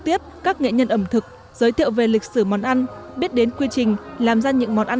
tiếp các nghệ nhân ẩm thực giới thiệu về lịch sử món ăn biết đến quy trình làm ra những món ăn